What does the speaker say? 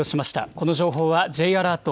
この情報はＪアラート